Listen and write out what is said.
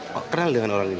kok kenal dengan orang ini